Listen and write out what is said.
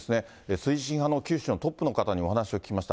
推進派の九州のトップの方にお話を聞きました。